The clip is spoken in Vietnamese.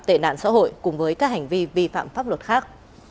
tệ nạn xã hội cùng với các hành vi vi phạm pháp luật khác